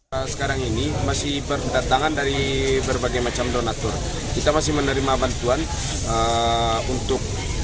hai sekarang ini masih berdatangan dari berbagai macam donatur kita masih menerima bantuan untuk